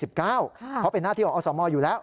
เพราะเป็นหน้าที่ของอสมอยู่แล้ว